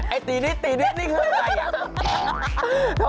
ไอ้ตีนี่นี่ใครอะ